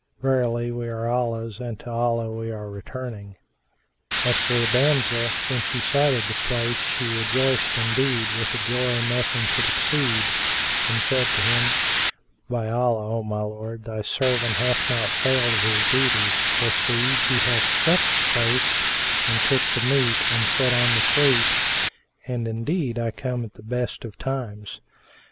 Verily we are Allah's and to Allah we are returning!" As for the damsel, when she sighted the place she rejoiced indeed with a joy nothing could exceed, and said to him, "By Allah, O my lord, thy servant hath not failed of his duty; for see, he hath swept the place and cooked the meat and set on the fruit; and indeed I come at the best of times."